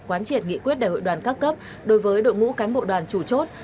quán triệt nghị quyết đại hội đoàn các cấp đối với đội ngũ cán bộ đoàn chủ chốt